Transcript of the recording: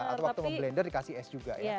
atau waktu memblender dikasih es juga ya